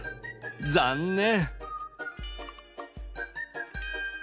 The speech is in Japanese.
残念！